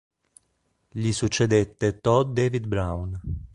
Gli succedette Tod David Brown.